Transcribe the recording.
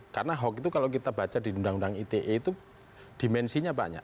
karena hoax itu kalau kita baca di undang undang ite itu dimensinya banyak